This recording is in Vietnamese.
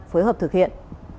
phối hợp thực hiện